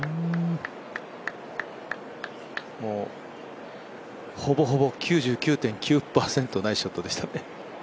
もうほぼほぼ９９．９％、ナイスショットでしたね。